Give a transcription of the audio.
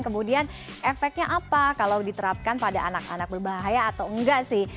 kemudian efeknya apa kalau diterapkan pada anak anak berbahaya atau enggak sih